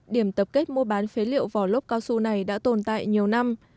điểm tập kết mua bán phế liệu vỏ lốt cao su này đã tồn tại nhiều năm